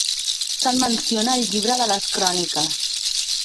Se'l menciona al Llibre de les Cròniques.